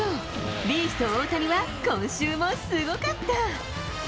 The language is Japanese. ビースト大谷は今週もすごかった。